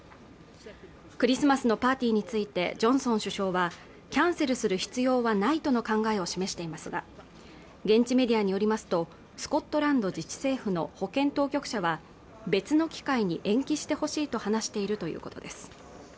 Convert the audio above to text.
クリスマスのパーティーについてジョンソン首相はキャンセルする必要はないとの考えを示していますが現地メディアによりますとスコットランド自治政府の保健当局者は別の機会に延期してほしいと話しているということです